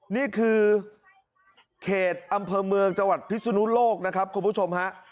นี่คือเขตอำเภอเมืองจังหวัดพิศนุโลกนะครับคุณผู้ชมฮะ